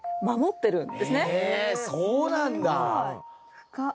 深っ！